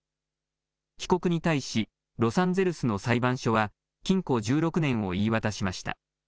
被告に対し、ロサンゼルスの裁判所は、禁錮１６年を言い渡しました。